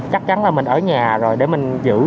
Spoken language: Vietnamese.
chắc chắn là mình ở nhà rồi để mình giữ